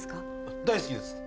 大好きです